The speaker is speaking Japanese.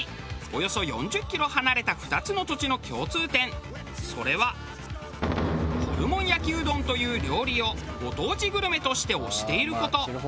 およそ４０キロ離れた２つの土地の共通点それはホルモン焼きうどんという料理をご当地グルメとして推している事。